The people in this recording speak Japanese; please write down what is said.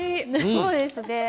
そうですね。